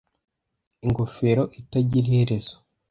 ingofero itagira iherezo